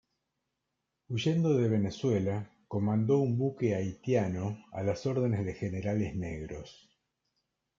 Huyendo de Venezuela, comandó un buque haitiano a las órdenes de generales negros.